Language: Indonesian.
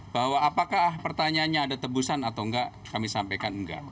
bahwa apakah pertanyaannya ada tebusan atau enggak kami sampaikan enggak